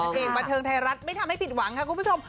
เพลงบันเทิงไทยรัฐไม่ทำให้ผิดหวังค่ะคุณผู้ชม